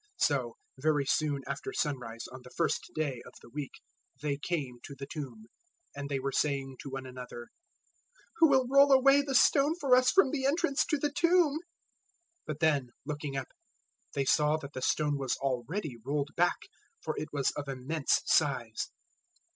016:002 So, very soon after sunrise on the first day of the week, they came to the tomb; 016:003 and they were saying to one another, 'Who will roll away the stone for us from the entrance to the tomb?" 016:004 But then, looking up, they saw that the stone was already rolled back: for it was of immense size.